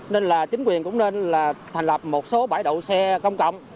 nên là chính quyền cũng nên là thành lập một số bãi đậu xe công cộng